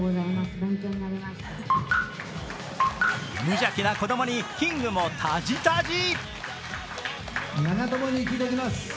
無邪気な子供にキングもたじたじ。